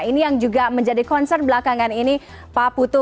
ini yang juga menjadi concern belakangan ini pak putu